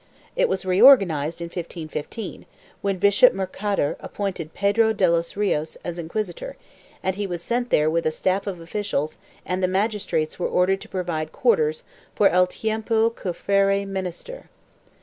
It was reorganized in 1515, when Bishop Mercader appointed Pedro de los Rios as inquisitor and he was sent there with a staff of officials, and the magistrates were ordered to pro vide quarters for "el tiempo que fuere menester."